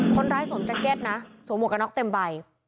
คนร้ายสวมจังเก็ตนะสวมหัวกระน็อกเต็มใบ